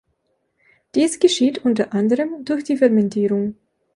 Dies geschieht unter anderem durch die Fermentierung.